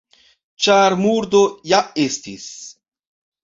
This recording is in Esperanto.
Ĉar murdo ja estis.